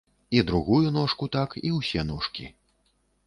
І другую ножку так, і ўсе ножкі.